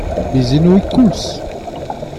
Bez eno e-koulz !